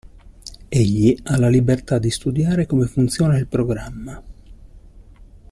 Egli ha la libertà di studiare come funziona il programma.